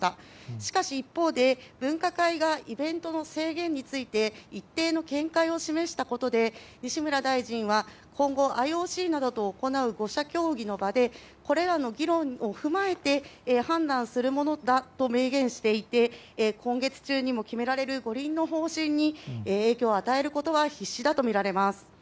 しかし、一方で分科会がイベントの制限について一定の見解を示したことで西村大臣は今後、ＩＯＣなどと行う５者協議の場でこれらの議論を踏まえて判断するものだと明言していて今月中にも決められる五輪の方針に影響を与えることは必至だと思います。